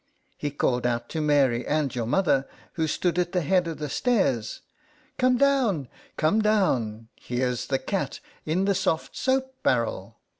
He called out to Mary, and your mother, who stood at the head of the .stairs, " Come down, come down ; here's the cat 'in the soft soap barrel